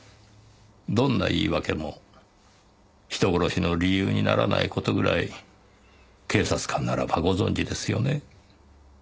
どんな言い訳も人殺しの理由にならない事ぐらい警察官ならばご存じですよね？